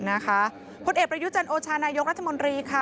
นะคะผลเอ็ดประยุจรรย์โอชานายกรรภ์รัชมนตรีค่ะ